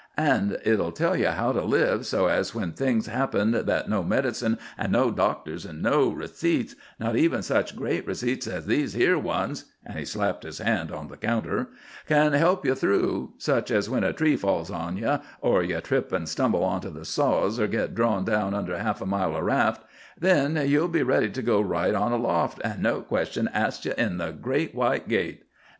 An' it'll tell ye how to live, so as when things happen that no medicines an' no doctors and no receipts—not even such great receipts as these here ones" (and he slapped his hand on the counter) "can help ye through—such as when a tree falls on to ye, or you trip and stumble on to the saws, or git drawn down under half a mile o' raft—then ye'll be ready to go right up aloft, an' no questions asked ye at the Great White Gate.